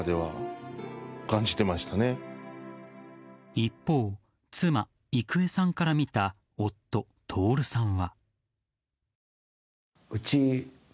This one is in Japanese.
一方、妻・郁恵さんから見た夫・徹さんは。